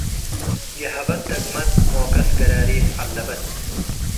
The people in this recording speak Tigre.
ይሀበት ደግመት ሞከስ ገራሪስ ዐለበት።